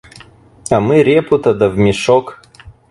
А мы репу-то да в мешок!